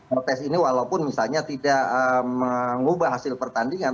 protes ini walaupun misalnya tidak mengubah hasil pertandingan